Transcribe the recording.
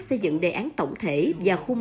xây dựng đề án tổng thể và khung